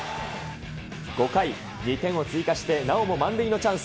５回、２点を追加して、なおも満塁のチャンス。